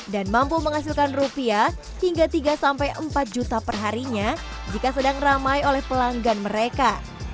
dan mampu menghasilkan rupiah hingga tiga sampai empat juta perharinya jika sedang ramai oleh pelanggan mereka